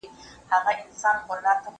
هغه وويل چي لوښي مينځل ضروري دي!.